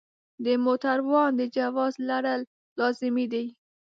د موټروان د جواز لرل لازمي دي.